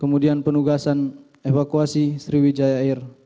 kemudian penugasan evakuasi sriwijaya air